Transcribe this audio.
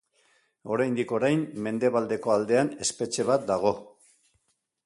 Oraindik-orain, mendebaldeko aldean espetxe bat dago.